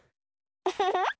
ウフフ。